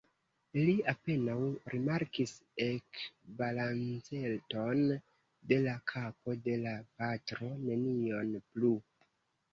Li apenaŭ rimarkis ekbalanceton de la kapo de la patro; nenion plu.